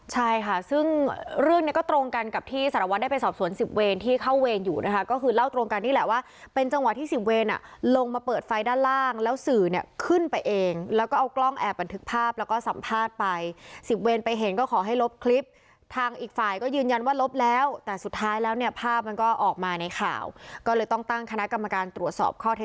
ใช่ค่ะซึ่งเรื่องนี้ก็ตรงกันกับที่สารวัตรได้ไปสอบสวนสิบเวนที่เข้าเวนอยู่นะคะก็คือเล่าตรงกันนี่แหละว่าเป็นจังหวะที่สิบเวนอ่ะลงมาเปิดไฟด้านล่างแล้วสื่อเนี่ยขึ้นไปเองแล้วก็เอากล้องแอบบันทึกภาพแล้วก็สัมภาษณ์ไปสิบเวนไปเห็นก็ขอให้ลบคลิปทางอีกฝ่ายก็ยืนยันว่าลบแล้วแต่สุ